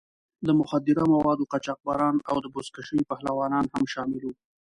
د مخدره موادو قاچاقبران او د بزکشۍ پهلوانان هم شامل وو.